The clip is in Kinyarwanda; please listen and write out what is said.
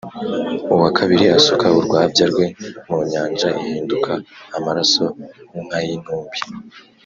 Uwa kabiri asuka urwabya rwe mu nyanja ihinduka amaraso nk’ay’intumbi,